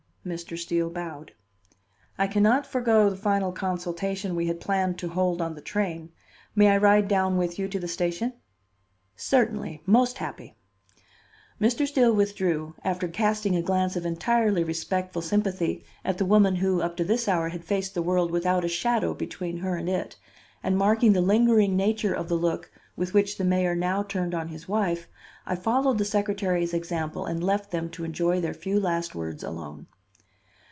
Mr. Steele bowed. "I can not forego the final consultation we had planned to hold on the train. May I ride down with you to the station?" "Certainly; most happy." Mr. Steele withdrew, after casting a glance of entirely respectful sympathy at the woman who up to this hour had faced the world without a shadow between her and it; and, marking the lingering nature of the look with which the mayor now turned on his wife, I followed the secretary's example and left them to enjoy their few last words alone.